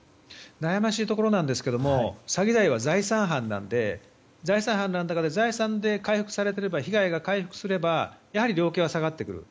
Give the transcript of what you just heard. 悩ましいところですけども詐欺罪は財産犯なので財産犯だから財産で被害が回復すればやはり量刑は下がってくる。